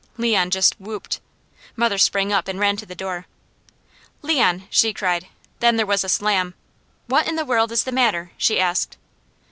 Leon just whooped. Mother sprang up and ran to the door. "Leon!" she cried. Then there was a slam. "What in the world is the matter?" she asked.